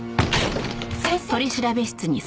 先生！